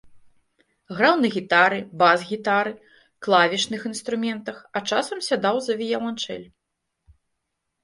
Граў на гітары, бас-гітары, клавішных інструментах, а часам сядаў за віяланчэль.